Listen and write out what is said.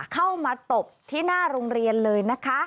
เข้ามาตบที่หน้าโรงเรียนเลยนะคะ